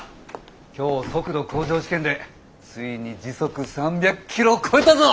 今日速度向上試験でついに時速３００キロを超えたぞ！